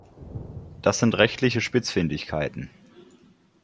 Das sind rechtliche Spitzfindigkeiten.